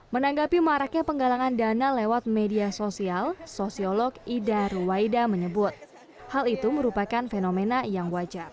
menanggapi maraknya penggalangan dana lewat media sosial sosiolog ida ruwaida menyebut hal itu merupakan fenomena yang wajar